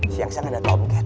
siang siang ada tomcat